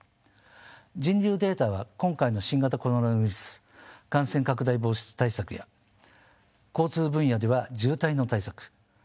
人流データは今回の新型コロナウイルス感染拡大防止対策や交通分野では渋滞の対策。